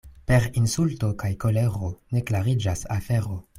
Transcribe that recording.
Per insulto kaj kolero ne klariĝas afero.